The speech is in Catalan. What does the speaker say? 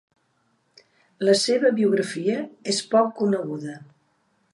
La seva biografia és poc coneguda.